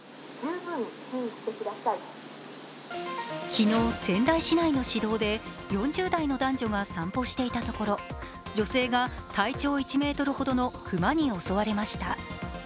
昨日、仙台市内の市道で４０代の男女が散歩していたところ、女性が体長１ｍほどの熊に襲われました。